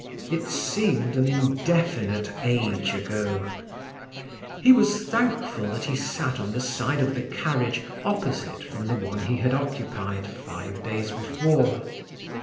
It seemed an indefinite age ago. He was thankful that he sat on the side of the carriage opposite from the one he had occupied five days before.